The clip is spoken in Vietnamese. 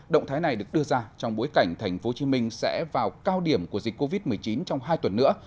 động thái này được đưa ra trong bối cảnh tp hcm sẽ vào cao điểm của dịch covid một mươi chín trong hai tuần nữa